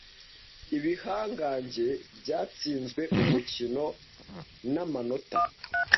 Ibihangange byatsinzwe umukino n'amanota .